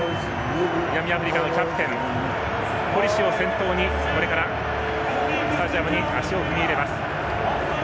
南アフリカのキャプテンコリシを先頭にこれからスタジアムに足を踏み入れます。